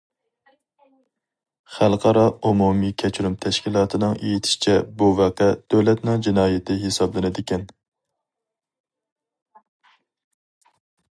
خەلقئارا ئومۇمىي كەچۈرۈم تەشكىلاتىنىڭ ئېيتىشىچە، بۇ ۋەقە‹‹ دۆلەتنىڭ جىنايىتى›› ھېسابلىنىدىكەن.